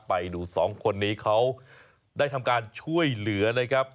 ไปดูสองคนนี้เขาได้ทำการช่วยเหลือนะครับ